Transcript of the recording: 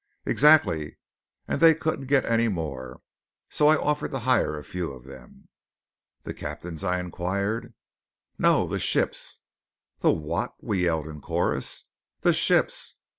"Exactly. And they couldn't get any more. So I offered to hire a few of them." "The captains?" I inquired. "No; the ships." "The what?" we yelled in chorus. "The ships."